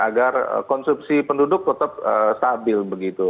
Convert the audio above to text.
agar konsumsi penduduk tetap stabil begitu